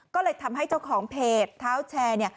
ก็เลยทำให้เจ้าของเพจเท้าแชร์เนี่ย